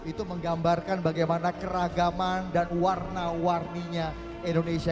itu menggambarkan bagaimana keragaman dan warna warninya indonesia